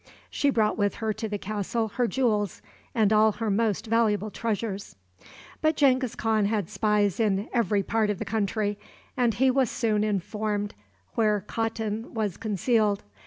She brought with her to the castle her jewels and all her most valuable treasures. But Genghis Khan had spies in every part of the country, and he was soon informed where Khatun was concealed.